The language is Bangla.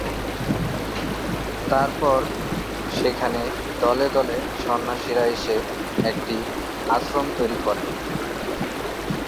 তারপর সেখানে দলে দলে সন্ন্যাসীরা এসে একটি আশ্রম তৈরি করেন।